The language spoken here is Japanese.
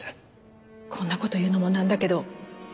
こんな事言うのもなんだけど。